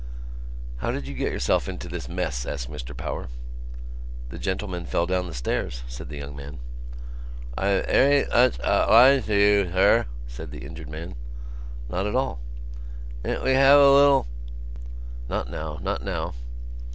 "How did you get yourself into this mess?" asked Mr Power. "The gentleman fell down the stairs," said the young man. "I' 'ery 'uch o'liged to you, sir," said the injured man. "Not at all." "'ant we have a little...?" "Not now. Not now."